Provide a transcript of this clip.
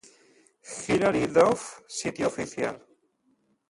Hilary Duff Sitio Oficial